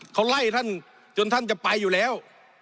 เขาไล่ท่านจนท่านจะไปอยู่แล้ว